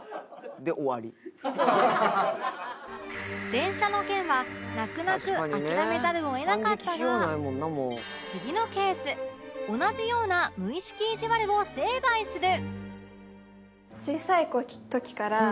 電車の件は泣く泣く諦めざるを得なかったが次のケース同じような無意識いじわるを成敗する！